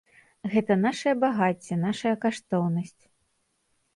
Гэта нашае багацце, нашая каштоўнасць.